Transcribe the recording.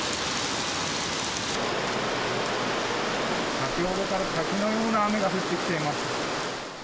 先ほどから滝のような雨が降ってきています。